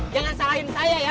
jangan salahin saya ya